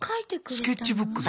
スケッチブックだ。